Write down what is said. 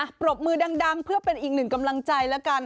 ปรบมือดังเพื่อเป็นอีกหนึ่งกำลังใจแล้วกัน